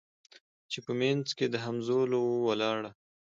چي په منځ کي د همزولو وه ولاړه